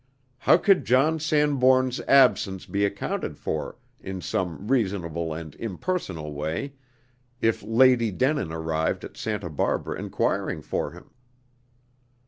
How could John Sanbourne's absence be accounted for in some reasonable and impersonal way, if Lady Denin arrived at Santa Barbara enquiring for him?